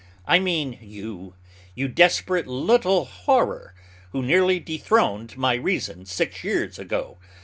I mean you, you desperate little horror, who nearly dethroned my reason six years ago!